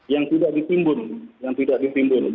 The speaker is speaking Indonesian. yang tidak ditimbun yang tidak ditimbun